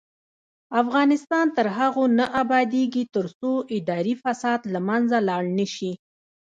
افغانستان تر هغو نه ابادیږي، ترڅو اداري فساد له منځه لاړ نشي.